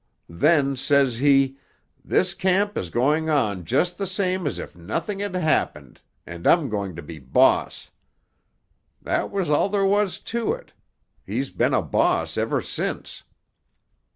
Then, says he, 'This camp is going on just the same as if nothing had happened, and I'm going to be boss.' That was all there was to it; he's been a boss ever since."